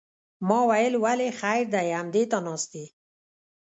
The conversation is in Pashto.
ما ویل ولې خیر دی همدې ته ناست یې.